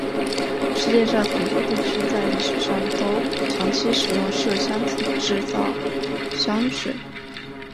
世界上很多地区在历史上都长期使用麝香制造香水。